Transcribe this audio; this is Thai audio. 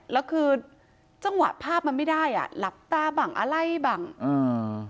แล้วคือจังหวะภาพมันไม่ได้อ่ะหลับตาบังอะไรบังอ่า